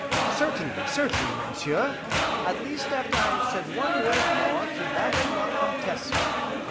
"Certainly, certainly, monsieur, at least after I have said one word more to Madame la Comtesse."